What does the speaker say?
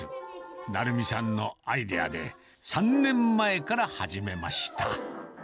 成美さんのアイデアで、３年前から始めました。